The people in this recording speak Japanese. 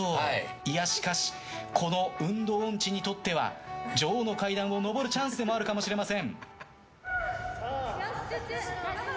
いやしかしこの運動音痴にとっては女王の階段を上るチャンスでもあるかもしれません。